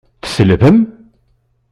Tselbem?